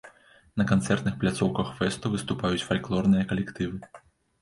На канцэртных пляцоўках фэсту выступаюць фальклорныя калектывы.